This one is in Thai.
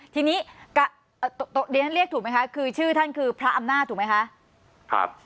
ทีนี้เรียนเรียกถูกไหมคะคือชื่อท่านคือพระอำนาจถูกไหมคะ